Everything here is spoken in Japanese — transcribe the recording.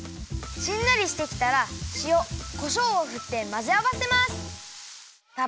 しんなりしてきたらしおこしょうをふってまぜあわせます。